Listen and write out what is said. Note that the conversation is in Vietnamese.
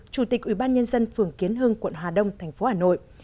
chủ tịch ủy ban nhân dân phường kiến hưng quận hà đông tp hà nội